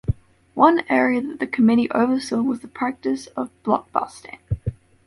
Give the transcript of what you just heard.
One area that the committee oversaw was the practice of blockbusting.